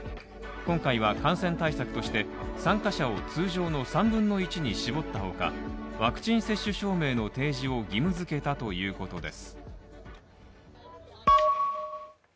今回は感染対策として参加者を通常の３分の１に絞った他、ワクチン接種照明の提示を義務づけたということです。